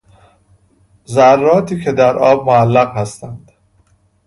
ذراتی که در آب معلق هستند